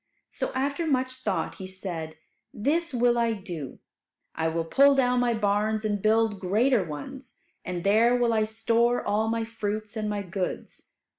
So after much thought he said, "This will I do. I will pull down my barns and build greater ones, and there will I store all my fruits and my goods.